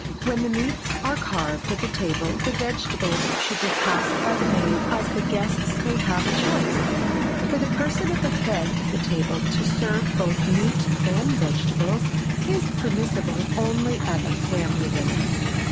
When the meats are carved at the table the vegetables should be passed by the maid, as the guests may have a choice. For the person at the head of the table to serve both meat and vegetables is permissible only at a family dinner.